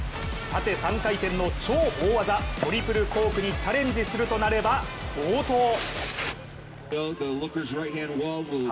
縦３回転の超大技トリプルコークにチャレンジするとなれば冒頭。